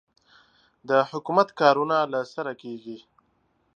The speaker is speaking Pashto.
د حکومت کارونه له سره کېږي.